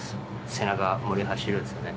背中銛走るんすよね。